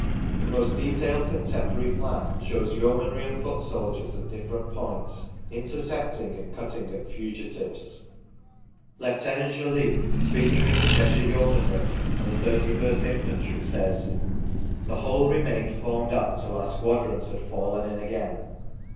The most detailed con temporary plan shows Yeomanry and foot soldiers at different points "intercepting and cutting at fugitives". Lieutenant Jolliffe, speaking of the Cheshire Yeomanry and the 31st Infantry, says : "the whole remained formed up till our squadrons had fallen in again